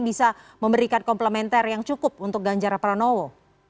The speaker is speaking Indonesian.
bisa memberikan komplementer yang cukup untuk ganjar pranowo